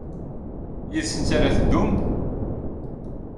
Yid-sent ara ad teddum?